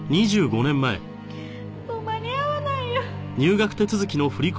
もう間に合わないよ。